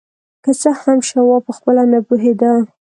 که څه هم شواب پخپله نه پوهېده.